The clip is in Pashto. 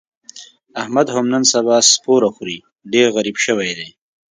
احمد هم نن سبا سپوره خوري، ډېر غریب شوی دی.